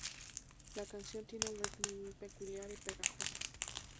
La canción tiene un ritmo muy peculiar y pegajoso.